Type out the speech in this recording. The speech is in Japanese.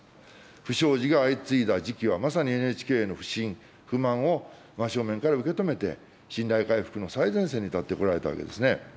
不祥事が相次いだ時期は、まさにＮＨＫの不信、不満を真正面から受け止めて、信頼回復の最前線に立ってこられたわけですね。